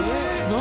何？